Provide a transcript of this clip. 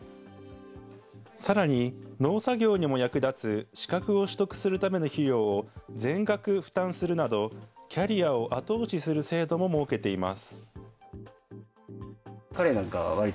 さらに、農作業にも役立つ資格を取得するための費用を全額負担するなど、キャリアを後押しする制度も設けています。